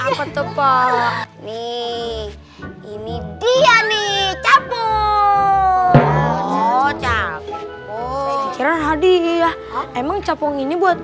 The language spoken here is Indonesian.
apa tuh pak nih ini dia nih capung